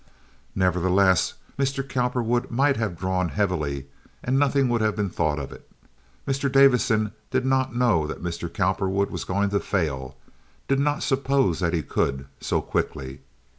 Nevertheless, Mr. Cowperwood might have drawn heavily, and nothing would have been thought of it. Mr. Davison did not know that Mr. Cowperwood was going to fail—did not suppose that he could, so quickly.